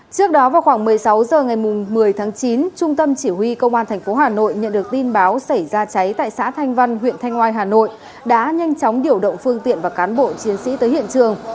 trước đó vào khoảng một mươi sáu h ngày một mươi tháng chín trung tâm chỉ huy công an tp hà nội nhận được tin báo xảy ra cháy tại xã thanh văn huyện thanh oai hà nội đã nhanh chóng điều động phương tiện và cán bộ chiến sĩ tới hiện trường